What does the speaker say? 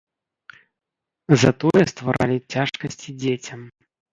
Затое стваралі цяжкасці дзецям.